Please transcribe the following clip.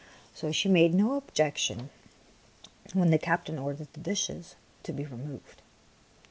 So she made no objec tion when the captain ordered the dishes to be removed.